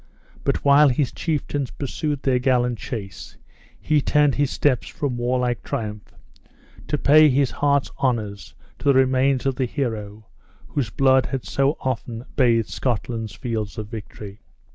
But while his chieftains pursued their gallant chase, he turned his steps from warlike triumph, to pay his heart's honors to the remains of the hero whose blood had so often bathed Scotland's fields of victory.